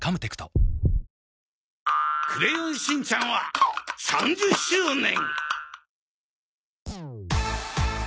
『クレヨンしんちゃん』は３０周年。